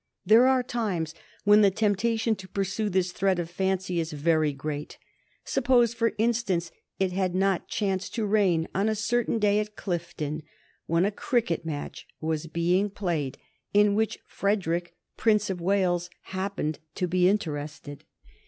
There are times when the temptation to pursue this thread of fancy is very great. Suppose, for instance, it had not chanced to rain on a certain day at Clifden, when a cricket match was being played in which Frederick, Prince of Wales, happened to be interested.